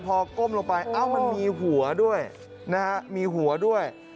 พอก้มลงไปเอ้ามันมีหัวด้วยนะฮะมีหัวด้วย